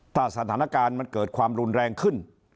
ถ้าสถานการณ์มันเกิดความรุนแรงขึ้น